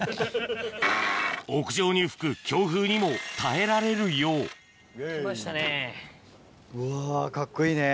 屋上に吹く強風にも耐えられるようＯＫ。来ましたね。